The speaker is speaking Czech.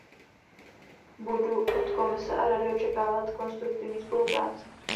Budu od Komise a Rady očekávat konstruktivní spolupráci.